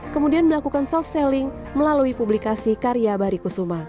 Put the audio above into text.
kemudian melakukan soft selling melalui publikasi karya bari kusuma